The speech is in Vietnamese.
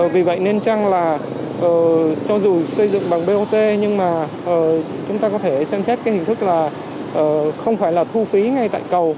vì vậy nên chăng là cho dù xây dựng bằng bot nhưng mà chúng ta có thể xem xét cái hình thức là không phải là thu phí ngay tại cầu